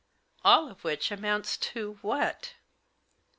" All of which amounts to — what